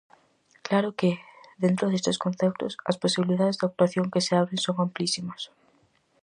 Claro que, dentro destes conceptos, as posibilidades de actuación que se abren son amplísimas.